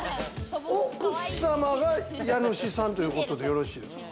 奥様が家主さんということでよろしいですか？